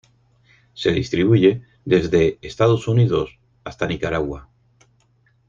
Se distribuye desde Estados Unidos hasta Nicaragua.